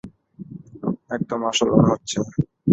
একদম আসল মনে হচ্ছে।